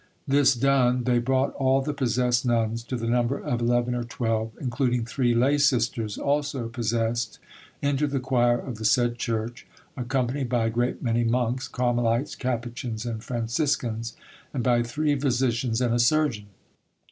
"This done, they brought all the possessed nuns, to the number of eleven or twelve, including three lay sisters, also possessed, into the choir of the said church, accompanied by a great many monks, Carmelites, Capuchins, and Franciscans; and by three physicians and a surgeon.